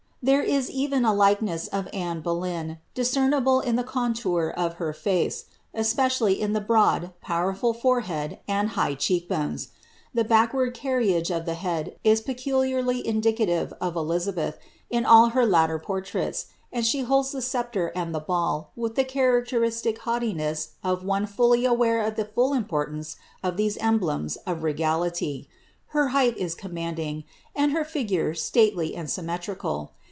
There is even a likeness of Anne Boleyn, discernible in the contour of the face, especially in the broad, powerful forehead and high cheek bones. The backward carriacre of the head is peculiarly indicative of Elizabeth, in all her latter portraits, and she holds the scep tre and the ball, with the characteristic haughtiness of one fully aware of the full importance of those emblems of regality. Her height is com manding, and her figure stately and symmetrical.